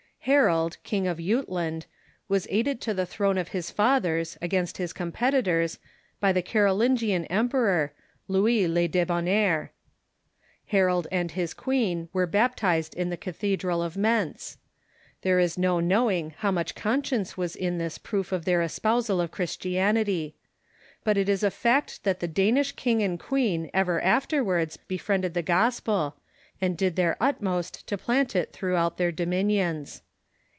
Harold, King of Jutland, was aided to the throne of his fathers, against his competitors, by the Carolingian emperor. 140 THE MEDIyEVAL CHURCH Louis le Debonnaire. Ilai'old and his queen were baptized in the cathedral of Mentz. There is no knowing how much con science was in this proof of their espousal of Christianity. But it is a fact that the Danish king and queen ever afterwards befriended the gospel, and did their utmost to plant it throughout their dominions.